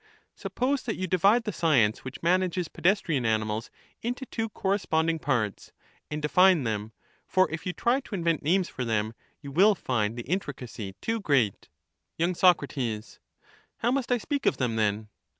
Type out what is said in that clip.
Suppose that you divide the science which manages pedestrian animals into two corresponding parts, and define them ; for if you try to invent names for them, you will find the jntricacy too great, Y, Soc, How must I speak of them, then